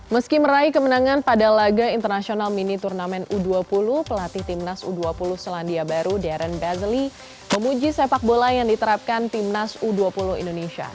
meski meraih kemenangan pada laga internasional mini turnamen u dua puluh pelatih timnas u dua puluh selandia baru dern bazali memuji sepak bola yang diterapkan timnas u dua puluh indonesia